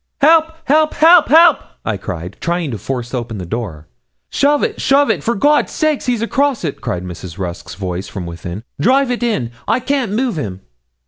'Here! help, help, help!' I cried, trying to force open the door. 'Shove it, shove it, for God's sake! he's across it,' cried Mrs. Rusk's voice from within; 'drive it in. I can't move him.'